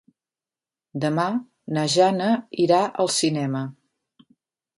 Demà na Jana irà al cinema.